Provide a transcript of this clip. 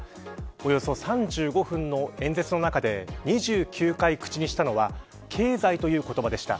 およそ３５分の演説の中で２９回口にしたのは経済という言葉でした。